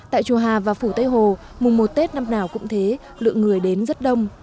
tại chùa hà và phủ tây hồ mùng một tết năm nào cũng thế lượng người đến rất đông